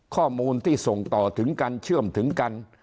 ข้อมูลที่ส่งต่อถึงกันเชื่อมถึงกัน